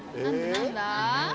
何だ？